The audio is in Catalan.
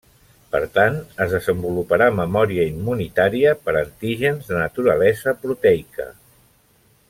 Per tant, es desenvoluparà memòria immunitària per antígens de naturalesa proteica.